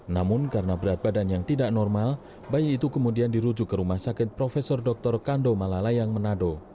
namun karena berat badan yang tidak normal bayi itu kemudian dirujuk ke rumah sakit prof dr kando malalayang manado